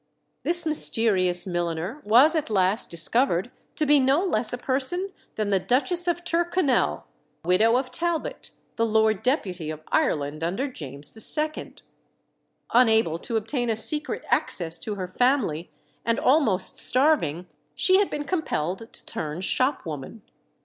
This mysterious milliner was at last discovered to be no less a person than the Duchess of Tyrconnel, widow of Talbot, the Lord Deputy of Ireland under James II. Unable to obtain a secret access to her family, and almost starving, she had been compelled to turn shopwoman.